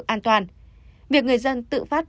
an toàn việc người dân tự phát